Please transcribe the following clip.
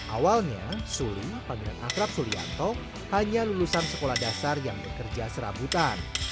awalnya suli pangeran akrab sulianto hanya lulusan sekolah dasar yang bekerja serabutan